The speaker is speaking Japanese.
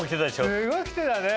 すごい着てたね。